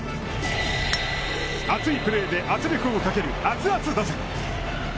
熱いプレーで圧力をかける「熱圧打線」